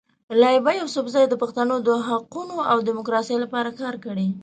لایبا یوسفزۍ د پښتنو د حقونو او ډیموکراسۍ لپاره کار کړی.